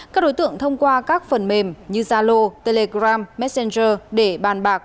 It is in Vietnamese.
các đối tượng thông qua các phần mềm như zalo telegram messenger để bàn bạc